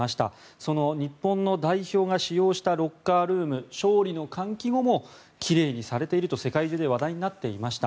その日本の代表が使用したロッカールーム勝利の歓喜後も奇麗にされていると世界中で話題になっていました。